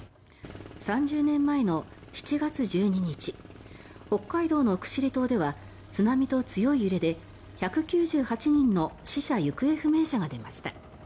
３０年前の７月１２日北海道の奥尻島では津波と強い揺れで１９８人の死者・行方不明者が出ました。